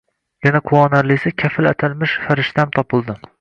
Yana quvonarlisi, kafil atalmish farishtam topildi.